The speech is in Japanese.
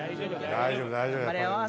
大丈夫大丈夫。